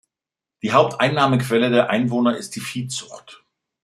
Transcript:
Die Haupteinnahmequelle der Einwohner ist die Viehzucht.